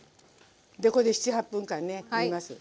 でこれで７８分間ね煮ます。